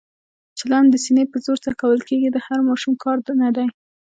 چلم د سینې په زور څکول کېږي، د هر ماشوم کار نه دی.